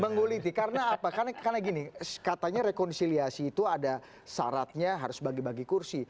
menguliti karena apa karena gini katanya rekonsiliasi itu ada syaratnya harus bagi bagi kursi